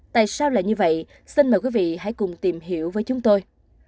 tại sao lại như vậy xin mời quý vị hãy cùng tìm hiểu với chúng tôi